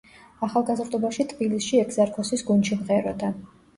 ახალგაზრდობაში თბილისში ეგზარქოსის გუნდში მღეროდა.